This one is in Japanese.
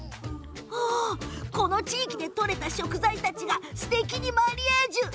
この地域で取れた食材たちがすてきにマリアージュ。